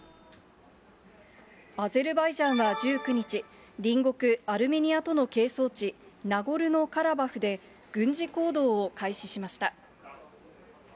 アゼルバイジャンは１９日、隣国アルメニアとの係争地、ナゴルノカラバフで軍事行動を開始しました。